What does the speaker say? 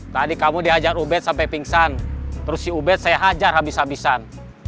tadi kamu dihajar ubet sampai pingsan terus si ubet saya hajar habis habisan